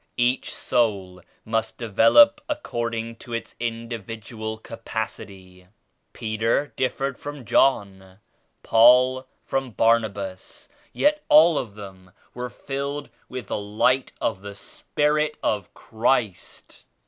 Each soul must develop according to its individual capacity. Peter differed from John ; Paul from Barnabas, yet all of them were filled with the Light of the Spirit of Christ.